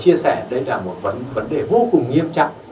chia sẻ đây là một vấn đề vô cùng nghiêm trọng